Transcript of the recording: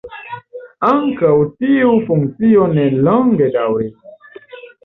Ankaŭ tiu funkcio ne longe daŭris.